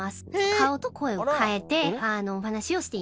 顔と声を変えてお話しをしています。